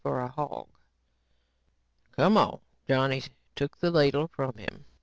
"Come on," Johnny took the ladle from him.